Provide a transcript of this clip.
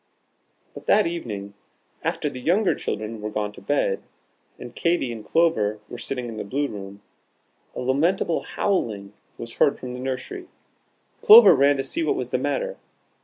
But that evening, after the younger children were gone to bed, and Katy and Clover were sitting in the Blue room, a lamentable howling was heard from the nursery. Clover ran to see what was the matter.